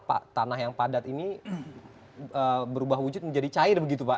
pak tanah yang padat ini berubah wujud menjadi cair begitu pak